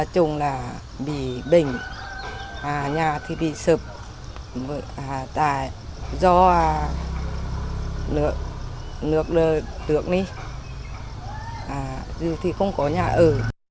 chúng là bị bình nhà thì bị sập do nước tượng đi thì không có nhà ở